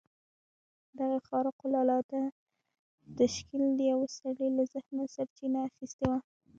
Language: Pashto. دغه خارق العاده تشکيل د يوه سړي له ذهنه سرچينه اخيستې وه.